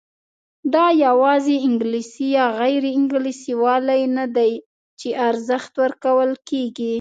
دا یوازې انګلیسي یا غیر انګلیسي والی نه دی چې ارزښت ورکول کېږي.